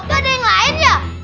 gak ada yang lain ya